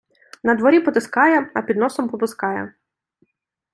Надворі потискає, а під носом попускає.